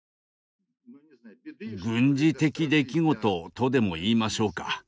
「軍事的出来事」とでも言いましょうか。